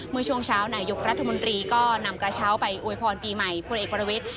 เมื่อช่วงเช้านายกรัฐมนตรีก็นำกระเช้าไปอวยพรปีใหม่พลเอกประวิทธิ